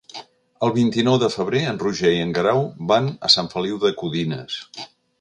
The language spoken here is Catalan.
El vint-i-nou de febrer en Roger i en Guerau van a Sant Feliu de Codines.